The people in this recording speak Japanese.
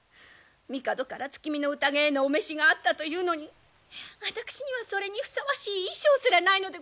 帝から月見の宴へのお召しがあったというのに私にはそれにふさわしい衣装すらないのでございますよ！？